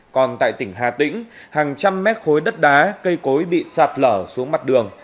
còn tại tỉnh hà tĩnh hàng trăm mét khối đất đá cây cối bị sạt lở xuống mặt đường